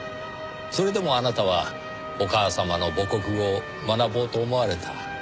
それでもあなたはお母様の母国語を学ぼうと思われた。